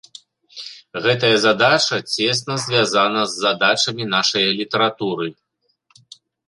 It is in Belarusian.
Гэтая задача цесна звязана з задачамі нашае літаратуры.